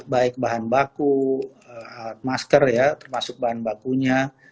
baik bahan baku masker ya termasuk bahan bakunya